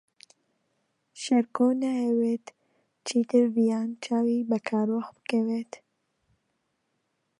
شێرکۆ نایەوێت چیتر ڤیان چاوی بە کارۆخ بکەوێت.